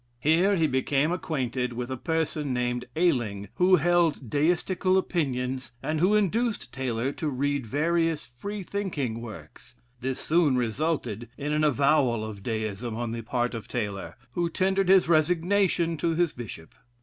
Here he became acquainted with a person named Ayling who held Deistical opinions, and who induced Taylor to read various Free thinking works; this soon resulted in an avowal of Deism on the part of Taylor, who tendered his resignation to his Bishop.